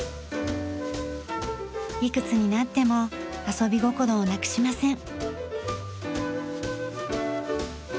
いくつになっても遊び心をなくしません。